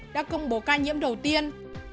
đã công bố ca nhiễm đầu tiên